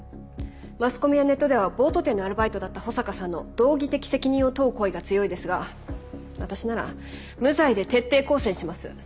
マスコミやネットではボート店のアルバイトだった保坂さんの道義的責任を問う声が強いですが私なら無罪で徹底抗戦します。